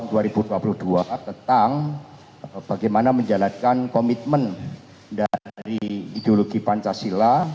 kami akan berbicara tentang bagaimana menjalankan komitmen dari ideologi pancasila